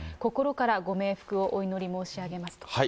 心からご冥福をお祈り申し上げますと。